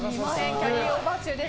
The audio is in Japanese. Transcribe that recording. キャリーオーバー中です。